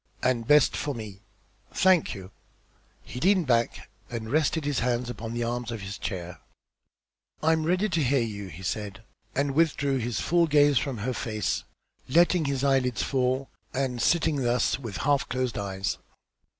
"And best for me. Thank you." He leaned back and rested his hands upon the arms of his chair. "I am ready to hear you," he said, and withdrew his full gaze from her face, letting his eyelids fall and sitting thus with half closed eyes.